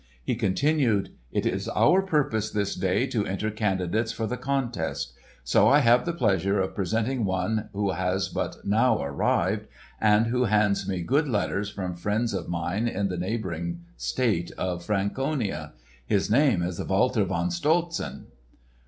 He continued, "It is our purpose this day to enter candidates for the contest. So I have the pleasure of presenting one who has but now arrived and who hands me good letters from friends of mine in the neighbouring state of Franconia. His name is Walter von Stolzen."